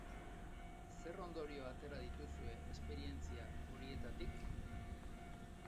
Zer ondorio atera dituzue esperientzia horietatik?